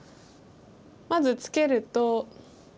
まずツケると。